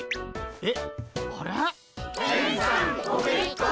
えっ？